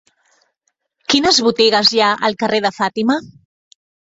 Quines botigues hi ha al carrer de Fàtima?